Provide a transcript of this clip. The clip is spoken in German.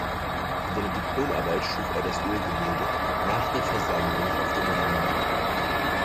Für seine Diplomarbeit schuf er das Ölgemälde „Nach der Versammlung auf dem Lande“.